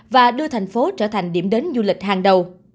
và đưa thành phố trở thành điểm đến du lịch hàng đầu